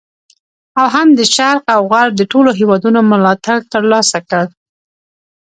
او هم د شرق او غرب د ټولو هیوادونو ملاتړ تر لاسه کړ.